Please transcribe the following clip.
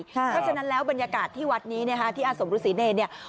ครับเพราะฉะนั้นแล้วบรรยากาศที่วัดนี้เนี่ยฮะที่อสมรุษิเนรเนี่ย